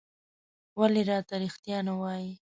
ولې راته رېښتيا نه وايې؟